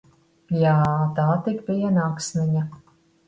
Jā, tā tik bija naksniņa!